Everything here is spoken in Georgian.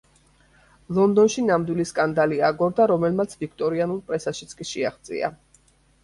ლონდონში ნამდვილი სკანდალი აგორდა, რომელმაც ვიქტორიანულ პრესაშიც კი შეაღწია.